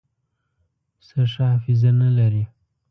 پسه ښه حافظه نه لري.